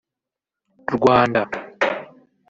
Rwanda)